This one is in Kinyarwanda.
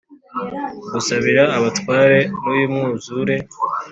Gusabira abatwawe nuyu mwuzure.